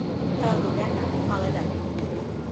A Agullana, mala llana.